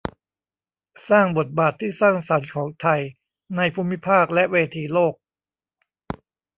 สร้างบทบาทที่สร้างสรรค์ของไทยในภูมิภาคและเวทีโลก